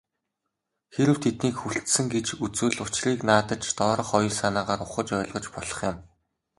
Хэрэв тэднийг хүлцсэн гэж үзвэл, учрыг наанадаж доорх хоёр санаагаар ухаж ойлгож болох юм.